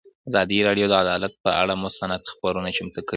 ازادي راډیو د عدالت پر اړه مستند خپرونه چمتو کړې.